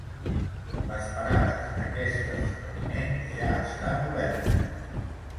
Les parades d’aquest esdeveniment ja estan obertes.